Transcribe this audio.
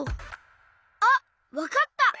あっわかった！